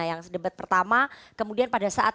yang sedebat pertama kemudian pada saat